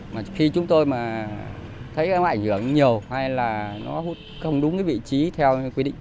mà khi chúng tôi mà thấy nó ảnh hưởng nhiều hay là nó không đúng cái vị trí theo quy định